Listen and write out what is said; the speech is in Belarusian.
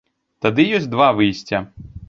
Тады ёсць два выйсця.